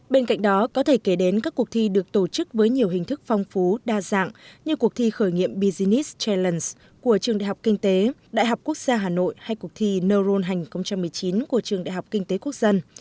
bên cạnh đó có thể kể đến các cuộc thi được tổ chức với nhiều hình thức phong phú đa dạng như cuộc thi khởi nghiệm business challenge của trường đại học kinh tế đại học quốc gia hà nội hay cuộc thi neuron hành một mươi chín của trường đại học kinh tế quốc dân